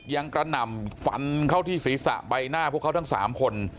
กระหน่ำฟันเข้าที่ศีรษะใบหน้าพวกเขาทั้ง๓คน